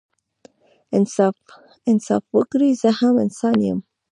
انصاف وکړئ زه هم انسان يم